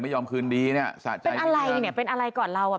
ยอมคืนดีเนี่ยสะใจอะไรเนี่ยเป็นอะไรก่อนเราอ่ะ